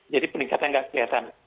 jadi peningkatan tidak kelihatan